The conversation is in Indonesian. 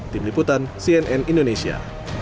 tim liputan cnn indonesia